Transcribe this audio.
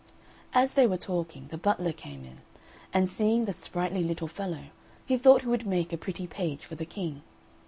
As they were talking, the butler came in, and seeing the spritely little fellow, he thought he would make a pretty page for the King.